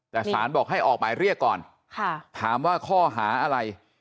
แต่สารบอกให้ออกหมายเรียกก่อนถามว่าข้อหาอะไร